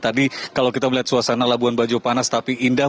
tadi kalau kita melihat suasana labuan bajo panas tapi indah